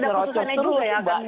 ada keputusannya juga ya